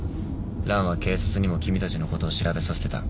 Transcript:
ランは警察にも君たちのことを調べさせてた。